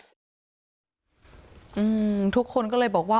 ทุกคนก็เลยบอกว่า